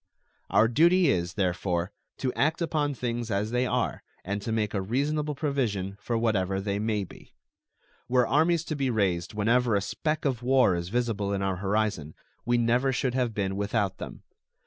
Our duty is, therefore, to act upon things as they are and to make a reasonable provision for whatever they may be. Were armies to be raised whenever a speck of war is visible in our horizon, we never should have been without them.